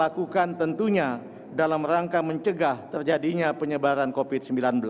dan kita lakukan tentunya dalam rangka mencegah terjadinya penyebaran covid sembilan belas